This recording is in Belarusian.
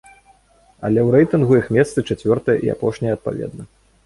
Але ў рэйтынгу іх месцы чацвёртае і апошняе адпаведна.